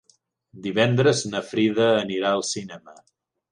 Divendres na Frida anirà al cinema.